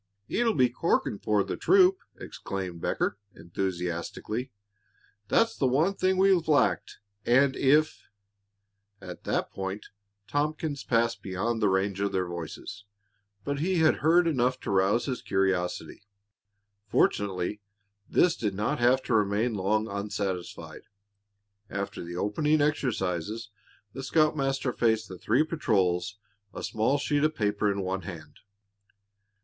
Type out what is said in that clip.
"It'll be corking for the troop!" exclaimed Becker, enthusiastically. "That's the one thing we've lacked, and if " At that point Tompkins passed beyond the range of their voices, but he had heard enough to rouse his curiosity. Fortunately this did not have to remain long unsatisfied. After the opening exercises the scoutmaster faced the three patrols, a small sheet of paper in one hand.